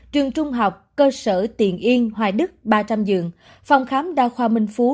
trường trung học cơ sở tiền yên hoài đức ba trăm linh giường phòng khám đa khoa minh phú